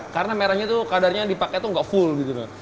karena merahnya itu kadarnya yang dipakai itu enggak full gitu loh